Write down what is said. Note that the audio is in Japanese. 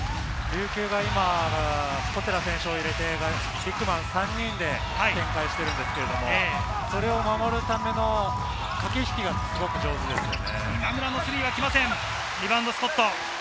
琉球が今、小寺選手を入れてビッグマン３人で展開しているんですけれども、それを守るための駆け引きがすごく上手ですよね。